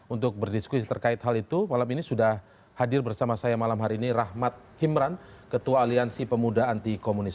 untuk berdiskusi terkait hal itu malam ini sudah hadir bersama saya malam hari ini rahmat himran ketua aliansi pemuda anti komunis